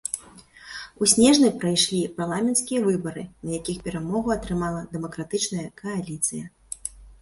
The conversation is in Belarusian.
У снежні прайшлі парламенцкія выбары, на якіх перамогу атрымала дэмакратычная кааліцыя.